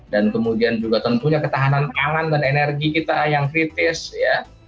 dan kemudian juga tentunya ketahanan angan dan energi kita yang kritis ya